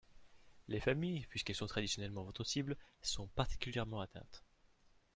Les familles, puisqu’elles sont traditionnellement votre cible, sont particulièrement atteintes.